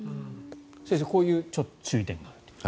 先生、こういう注意点があると。